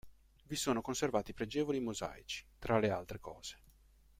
Vi sono conservati pregevoli mosaici, tra le altre cose.